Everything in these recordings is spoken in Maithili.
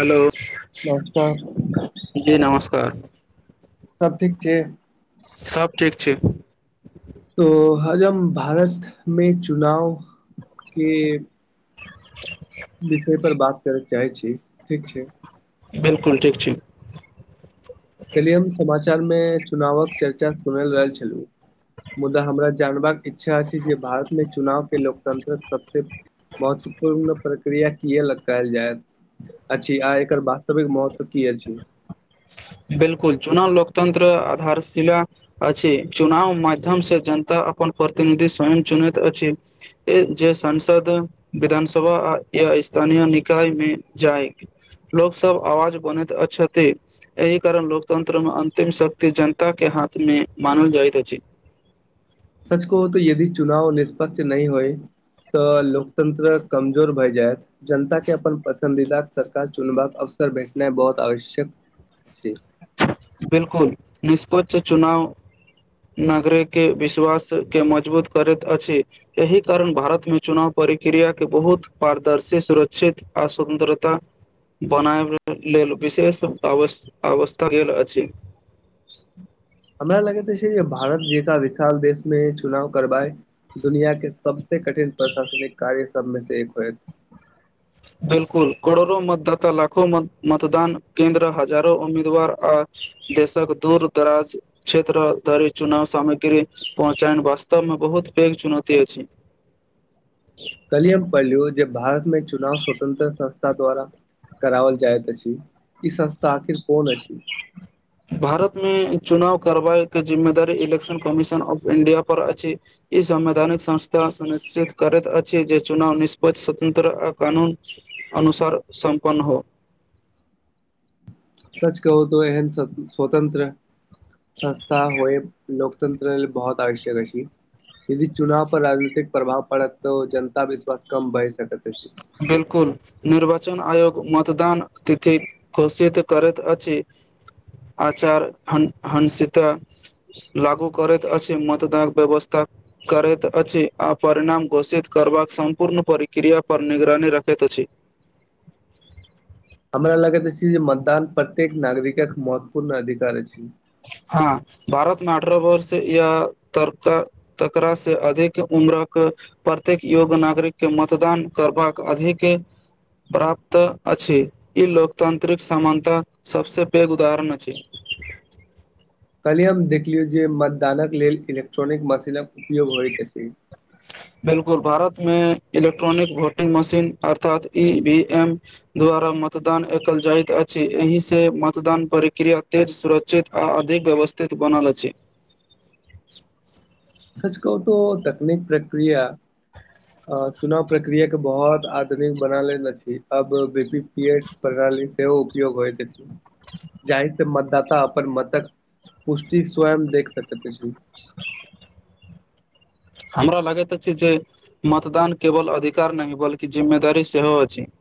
हेलो नमस्कार जी नमस्कार सब ठीक छी सभ ठीक छी तो हजम भारतमे चुनाव के [unintelligible] विषय पर बात करय चाहै छी ठीक छै बिलकुल ठीक ठीक कलियै हम समाचारमे चुनावक चर्चा सुनल रहल छलहुँ मुदा हमरा जानबाक इच्छा अछि जे भारतमे चुनाव के लोकतंत्रक सबसे महत्वपूर्ण प्रक्रिया किए लऽ कहल जाय अछि आ एकर वास्तविक महत्व की अछि बिलकुल चुनाव लोकतंत्र आधारशिला अछि चुनाव माध्यम से जनता अपन प्रतिनिधि स्वयं चुनैत अछि जे सांसद विधानसभा आ ए स्थानीय निकाय मे जाइ लोक सब आवाज बनैत छथि एहि कारण लोकतन्त्रमे अंतिम शक्ति जनताके हाथमे मानल जाइत अछि [unintelligible] सच कहु तऽ यदि चुनाव निष्पक्ष नहि होय तऽ लोकतंत्र कमजोर भए जायत जनताक अपन पसंन्दीदा सरकार चुनबाक अवसर अवसर भेटनाइ बहुत आवश्यक छै बिलकुल निष्पक्ष चुनाव नगरे के विश्वास के मजबूत करैत अछि एहि कारण भारतमे चुनाव पर परिक्रिया के बहुत पारदर्शी सुरक्षित आ स्वतंत्रता बनायब लेल विशेष अवश्य अवस्था गेल जी हमरा लगैत छै भारत जेका विशाल देशमे चुनाव करबाए दुनिया के सबस कठिन प्रशासनिक कार्य सबमे से एक होए [unintelligible] बिलकुल करोड़ो मतदाता लाखो मतदान केंन्द्र हजारो उम्मीदवार आ देशक दूर दराज क्षेत्र धरि चुनाव सामग्री पहुँचाायन वास्तवमे बहुत पेग चुनौती। अछि कलियम परलु जे भारतमे चुनाव स्वतन्त्रता संस्था द्वारा करावल जायत अछि इ संस्था आखिर कोन अछि भारतमे चुनाव कार्रवाई के जिम्मेदार इलेक्शन कमीशन ऑफ इंडिया पर अछि ई संवैधानिक संस्था निश्चित करैत अछि जे चुनाव निष्प्ष स्वतन्त्र आ कानून अनुसार सम्पन्न हो [unintelligible] सच कहू त एहन स्वतन्त्र संस्था होइ लोककतन्त्र बहुत आवश्यक अछि यदि चुनाव पर राजनीतिक प्रभाव पड़त तऽ जनता विश्वास कम भय सक त अछि बिल्कुल निर्वाचन आयोग मतदान तिथि घोषित करैत अछि [unintelligible] आचार हंसित लागू करैत अछि मतदान व्यवस्था करैत अछि आ परिणाम घोषित करबाक सम्पूर्ण प्रिक्रिया पर निगरानी रखैत अछि हमरा लगैत अछि जे मतदान प्रत्येक नागरिकक महत्वपूर्ण अधिकार अछि हँ भारतमे अठारह वर्ष या तकरा से अधिक उम्रक प्रत्येक युग नागरिकके मतदान करबाक अधिक प्राप्त अछि ई लोकतंत्रिक समानताक सभसँ पैघ उदाहरण अछि कल्हिी हम देखलियौ जे मतदानक लेल इलेक्ट्रॉनिक मशीनक उपयोग होइत छै बिलकुल भारत मे इलेक्ट्रॉनिक वोटिंग मशीन अर्थात ई वी एम द्वारा मतदान एकत्र जाइत अछि एहिसँ मतदान प्रक्रिया तेज सुरक्षित आ अधिक व्यवस्थित बनल अछि [inaudible] सच कहू त तकनीक प्रक्रिया चुनाव प्रक्रिया के बहुत आधुनिक बनाल अछि अब बी पी प से उयो हो जाहि दाता अपन मतक पुष्टि स्वयं देख सकैत अछि हमरा लगैत अछि जे मतदान केवल अधिकार नहि बल्कि जिम्मेदारी सेहो अछि [inaudible]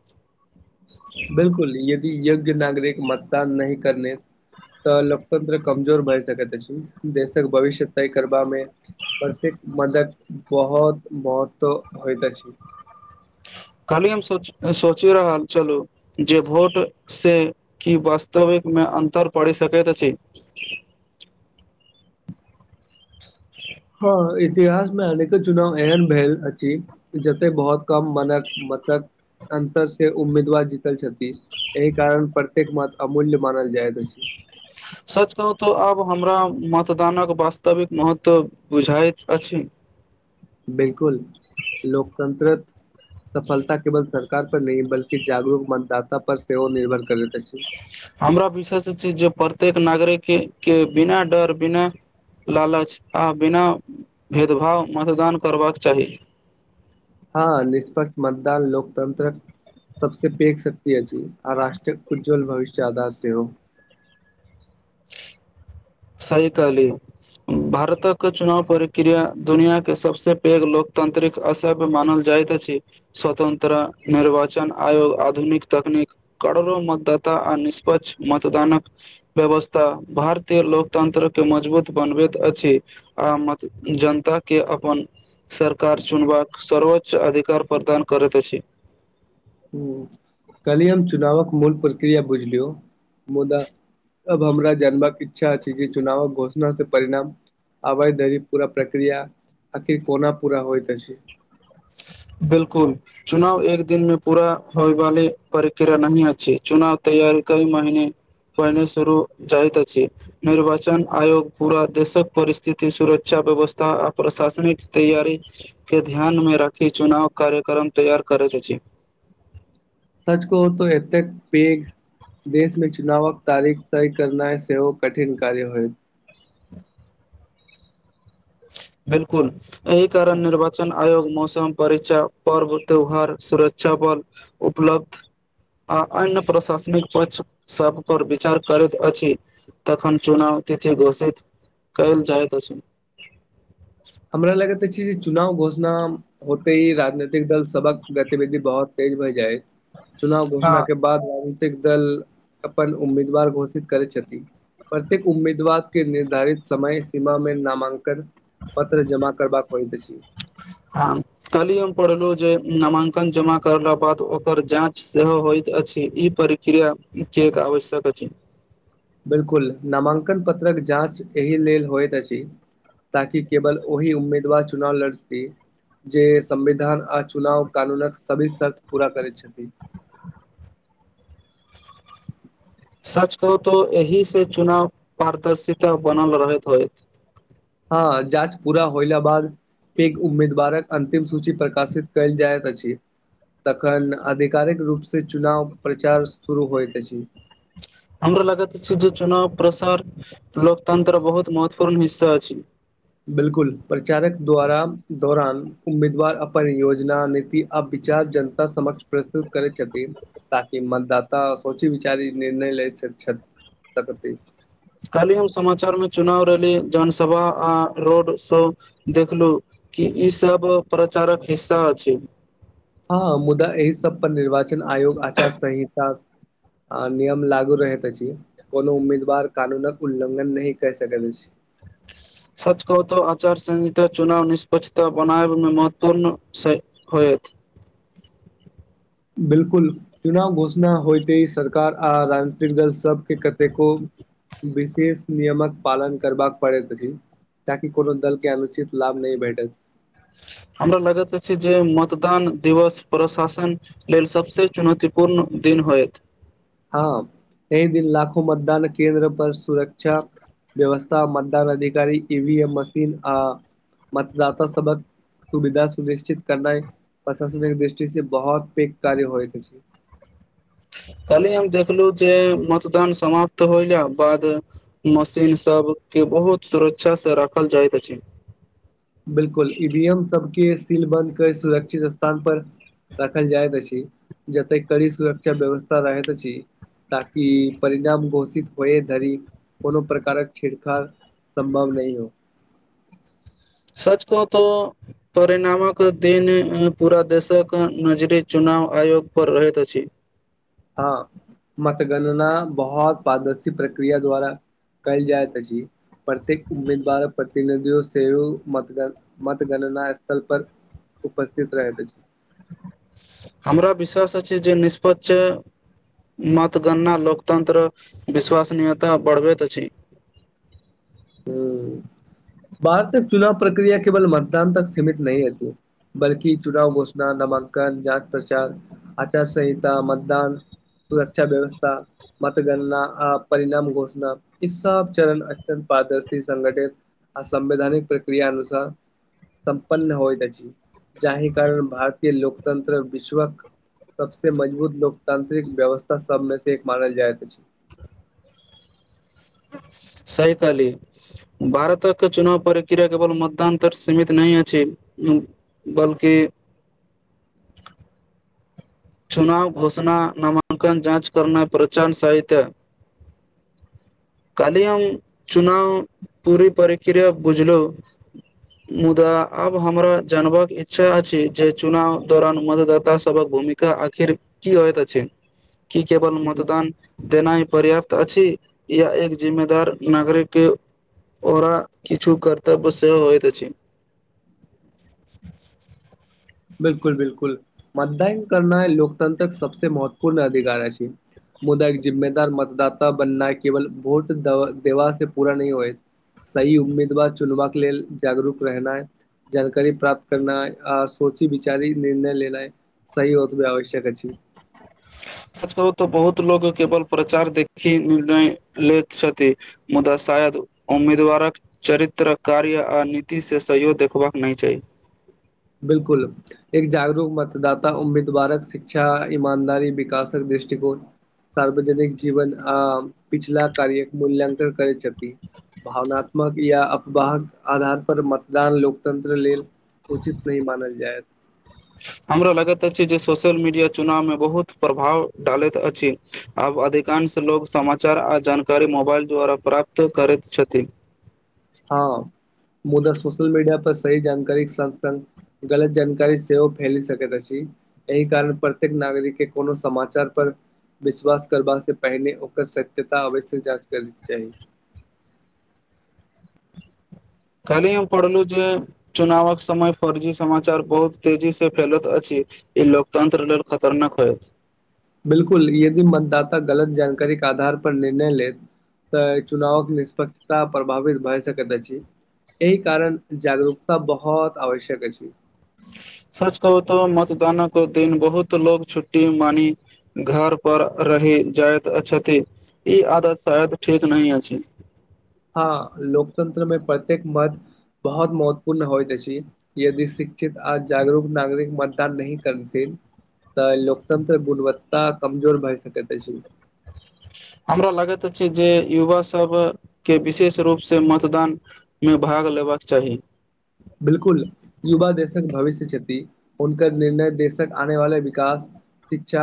बिलकुल यदि यज्ञ नागरिक मतदान नहि करने तऽ लोकतन्त्र कमजोर भए सकै त देशक भविष्य तय करबामे प्रत्येक मदक बहुत महत्व होता छै [inaudible] खाली हम सोचि रहल चलू जे भोटसँ की वास्तविकमे अतर पढ़ि सकैत अछि हँ इतिहास मे अनेको चुनाव एहन भेल अछि जते बहुत कम मन प तक अन्तर से उम्मीदवार जीतल छथि एहि कारण प्रत्येक मत अमूल्य मानल जाइत छै सच कहू तऽ आब हमरा मतदानक वास्तविक महत्व बुझाइत अछि ह बिलकुल लोकतंत्र सफलता केवल सरकार पर नहि बल्कि जागरूक मतदाता पर सेहो निर्भर करैत अछि हमरा विश्वास छी जे प्रत्येक नागरिकके के बिना डर बिना लालच आ बिना भेदभाव मतदान करबाक चाही हँ निष्पक्ष मतदान लोकतंत्र सबसँ पेघ शक्ति अछि आ राष्ट्र उज्ज्वल भविष्य आधार से हो [unintelligible] सही कहली भारतक चुनाव प्रक्रिया दुनिया के सभसँ पेघ लोकतांत्रिक असभ मानल जाइत अछि स्वतंत्रा निर्वाचन आयोग आधुनिक तकनीक कड़ोड़ो मतदाता निष्पक्ष मतदानक व्यवस्था भारतीय लोक तंत्र के मजबूत बनबैत अछि आ म जनता के अपन सरकार चुनबाक सर्वोच्च अधिकार प्रदान करैत अछि ह कली हम चुनावक मूल प्रक्रिया बुझलियौ मुदा अब हमरा जानबाक इच्छा छै जे चुनावक घोषणा से परिणाम आबइ धरी पूरा प्रक्रिया आकीर कोना पूरा होइत अछि [unintelligible] बिल्कुल चुनाव एक दिन मे पूरा होय वाली प्रक्रिया नहि अच्छी चुनाव तैयार कई महिने पहिने शुरू जाइत अछि निर्वाचन आयोग पूरा देशक परिस्थिति सुरक्षा व्यवस्था आ प्रशासनिक तैयारी के ध्यान मे रख की चुनाव कार्यक्रम तैयार करैत अछि सच कहु तो एतेक पेघ देशमे चुनावक तारिख तय करनाय सेहो कठिन कार्य होय ह्म बिल्कुल एहि कारण निर्वाचन आयोग मौसम परीक्षा पर्व त्यौहार सुरक्षा बल उपलब्ध आ अन्य प्रशासनिक पक्ष सब पर विचार करैत अछि तखन चुनाव ते घोषैत कल जाइत अछि हमरा लगैत छै चुनाव घोषणा होते ही राजनीतिक दल सबक गतिविधि बहुत भए जाइत चुनाव घोषणा हँ के बाद राजनीतिक दल क अपन उम्मीदवार घोषित करै छथि प्रत्येक उम्मीदवार के निर्धारित समय सीमा मे नामांकन पत्र जमा करबाक होइत अछि ह कली हम पढ़लौं जे नामांकन जमा करला बाद ओकर जाँच सेहो होइत अछि ई प्रक्रिया के एक आवश्यक अछि बिल्कुल नामाकंन पत्रक जाँच एहि लेल होइत अछि ताकि केवल ओहि उम्मीदवार चुनाव लड़ सकी जे संविधान आ चुनाव कानूनक सभी शर्त पूरा करैत छथि [unintelligible] सच कहू तो एहिसँ चुनाव पारदर्शिता बनल रहैत होत हँ जाँच पूरा होइल बाद पेघ उम्मीदवारक अंतिम सूची प्रकाशित कयल जाइत अछि तखन आधिकारिक रूपसँ चुनाव प्रचार शुरू होइत अछि हमरा लागैत छी जे चुनाव प्रसार लोकतंत्र बहुत महत्वपूर्ण हिस्सा छी बिल्कुल प्रचारक द्वारा दौरान उम्मीदवार अपन योजना नीति आब विचार जनता समक्ष प्रस्तुत करै छथिन ताकि मतदाता सोची विचार निर्णय ले छथि कालहि हम समाचार मे चुनाव रैली जनसभा आ रोड शो देखलू कि ई सब प्रचारक हिस्सा अछि हँ मुदा एहि सब पर निर्वाचन आयोग आचार संहिता आ नियम लागू रहैत अछि कोनो उम्मीदवार कानूनक उल्लंघन नहि कर सकैत अछि त सच कहतो आचार संंहिता चुनाव निष्पक्षता बनाब मे महत्वपूर्ण से होय ठ बिलकुल चुनाव घोषणा होयते ह सरकार आ राजनीतिक दल सबके कतेको विशेष नियमक पालन करबाक पड़े प ताकि कोनो दल के अनुचित लाभ नहि भेटत [inaudible] हमरा लगत अछि जे मतदान दिवस प्रशासन लेल सबसे चुनौतीपूर्ण द होत हँ एहि दिन लाखो मतदान केन्द्र पर सुरक्षा व्यवस्था मतदान अधिकारी ईवी एम मशीन आ मतदाता सबक सुविधा सुनिश्चित करना प्रशासनिक दृष्टि से बहुत पैघ कार्य हो छै कहली हम देखलहु जे मतदान समाप्त होयलाक बाद मशीनसभके बहुत सुरक्षासँ राखल जाइत अछि बिलकुल ईवी एम सबके सीलबन्द क सुरक्षित स्थान पर रखल जाइत छी जते कड़ी सुरक्षा व्यवस्था रहैती ताकि परिणाम घोषित हो धरी कोनो प्रकारक छिड़खड़ सम्भव नहि हो [inaudible] को तो परिणामक दिन पूरा देशक नजरी चुनाव आयोग प्रपयोगपर रहैत अछि हँ मतगणना बहुत पदर्शी प्रक्रिया द्वारा कल जाय त छीी प्रत्येक उम्मीदवार प्रतिनिधियो सेहो मत मतगणना स्थल पर उपस्थित रहै त छी हमरा विश्वास अ छी जे निष्पत मतगणना लोकतन्त्र विश्वसनीयता बढ़बैत अछि [inaudible] [inaudible] भार तक चुनाव प्रक्रिया केवल मतदान तक सीमित नहि होत बल्ि चुनाव घोषणा न नामकन जात प्रचार आचार संहिता मतदान सुरक्षा व्यवस्था मतगणना आ परिणाम घोषणा ई सब चरण अत्यन्त पदर्शी संघटित आ संवैधानिक प्रक्रिया अुसार सं्पन्न होइत छी जाहि कारण भारतीय लोकतन्त्र विश्वक सबस मजबूत लोकतांत्रिक व्यवस्था सबमे से एक मानल जायत छै [inaudible] सह की भारतके चुनाव प्रक्रिया केवल मतदानतर सीमित नहि अ अछि बलकि चुनाव घोषणा नामांकन जाँच करना पहचार सहित ह काली अम चुनाव पूरी परिक्रिया बुझलु मुदा आब हमरा जानबाक इच्छा अछि जे चुनाव दौरान मतदाता सभक भूमिका आखि की अयत छै किी केवल मतदान देनाइ पर्याप्त अछि य एक जिम्मेदार नागरिकके ओरा किछु करर्तव्य सेहो होइत छै [inaudible] बिलकुल बिलकुल मतदन करना लोकतंत्रक सबस महत्वपूर्ण अधिकार अछि छै मुदा एक जिम्मेदार मतदात बनना केवल भोट द देवा से पूरा नहि होए सही उम्मीदवार चुनबाक लेल जागरूक रहना जानकारी प्राप्त करनाइ आ सोची विचारी निर्णय लेनाय सही होत भी आवश्यक अछि [unintelligible] सच करू तऽ बहुत लोको केवल प्रचार देखी निर्णय ले छथि मुदा शायद उम्मीदवारक चरित्र कार्य आ नीतिसँ सहयोग देखबाक नहि छै ह बिल्कुल एक जागरूक मतदाता उम्मीदवारक शिक्षा ईमानदारी विकासक दिश दृष्टिकोण सार्वजनिक जीवन आ पिछला कार्य मूल्यंकन करैत छथिक भावनात्मक या अफवाहक आधार पर मतदान लोकतंत्र लेल उचित नहि मानल जाय हमरा लगैत अछि जे सोशल मीडिया चुनाव मे बहुत प्रभाव डालैत अछि आब अधिकांश लोक सम समाचार आ जानकारी मोबाइल द्वारा प्राप्त करैत छथि हँ मुदा सोशियल मीडिया पर सही जानकारी स स गलत जानकारी सेव फैल सक एहिह कारण प्रत्येक नागरिक के कोनो समाचार पर विश्वास करबा से पहिनेे ओकर सत्यता अवश्यक जाँच करै चाही [unintelligible] काल्हि हम पढ़लौं जे चुनावक समय फर्जी समाचार बहुत तेजी से फैलत अछि ई ल लोकतन्त्र लेल खतरनाक होयत बिल्कुल यदि मतदाता गलत जानकारी के आधार पर निर्णय ले तऽ चुनावक निष्पक्षता प्रभावित भए सकैत अछि एहि कारण जागरूकता बहुत आवश्यक अछि [unintelligible] सच कहू तो मतदानक दिन बहुत लोग छुट्टी मानी घर पर रहे जाइत छथि ई आदत शायद ठीक नहि अछि हँ लोकतंत्र मे प्रत्येक मत बहुत महत्वपूर्ण होइत छै यदि शिकित आ जागरूक नागरिक मतदान नहि करत तऽ लोकतंत्र गुणवत्ता कमजोर भए सकै तै अछि हमरा लगैत अछि जे युवा सभके विशेष रूप से मतदान मे भाग लेबाक चाही बिल्कुल युवा देशक भविष्य छथि उकर निर्णय देशक आने वाले विकास शिक्षा